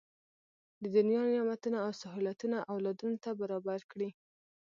د دنیا نعمتونه او سهولتونه اولادونو ته برابر کړي.